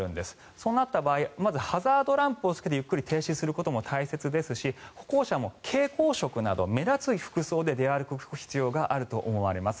そうなった場合まずハザードランプをつけてゆっくり停止することも大切ですし歩行者も蛍光色など目立つ服装で歩く必要があると思います。